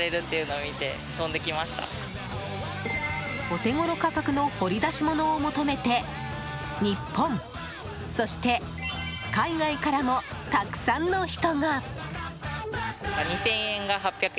お手頃価格の掘り出し物を求めて日本、そして海外からもたくさんの人が。